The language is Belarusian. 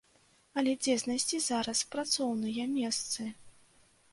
Але дзе знайсці зараз працоўныя месцы?